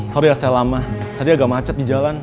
sorry ya saya lama tadi agak macet di jalan